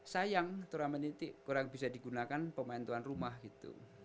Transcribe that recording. sayang turnamen ini kurang bisa digunakan pemain tuan rumah gitu